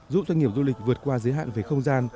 giúp doanh nghiệp du lịch vượt qua giới hạn về không gian